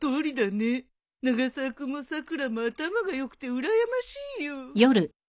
永沢君もさくらも頭が良くてうらやましいよ。